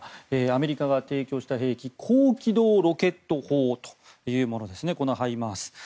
アメリカが提供した兵器高機動ロケット砲というものですハイマース。